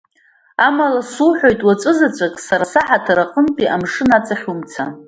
Амала, сухәоит уаҵәы заҵәык сара саҳаҭыр аҟынтәи амшын аҵахь умцан.